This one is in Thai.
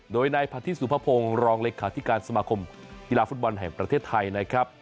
โดยนายพัทธิสุภพงศ์รองเลขาธิการสมาคมกีฬาฟุตบอลแห่งประเทศไทยนะครับ